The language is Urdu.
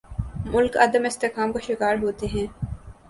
ملک عدم استحکام کا شکار ہوتے ہیں۔